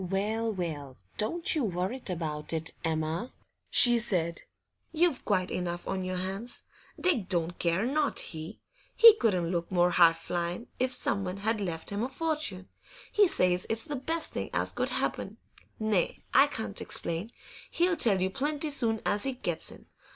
'Well, well, don't you worrit about it, Emma,' she said; 'you've quite enough on your hands. Dick don't care not he; he couldn't look more high flyin' if someone had left him a fortune. He says it's the best thing as could happen. Nay, I can't explain; he'll tell you plenty soon as he gets in.